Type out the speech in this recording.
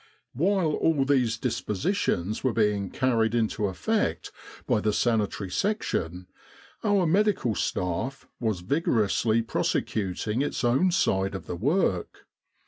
While all these dispositions were being carried into effect by the Sanitary Section, our Medical Staff was vigorously prosecuting its own side of the work.